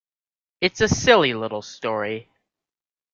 It's a silly little story.